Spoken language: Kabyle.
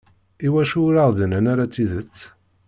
Iwacu ur aɣ-d-nnan ara tidet?